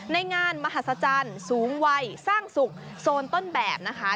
ในงานมหัศจรรย์สูงวัยสร้างสุขโซนต้นแบบนะคะ